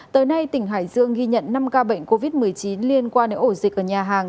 tới nay tỉnh hải dương ghi nhận năm ca bệnh covid một mươi chín liên quan đến ổ dịch ở nhà hàng